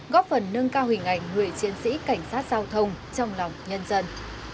góp phần nâng cao hình ảnh người chiến sĩ cảnh sát giao thông trong lòng nhân dân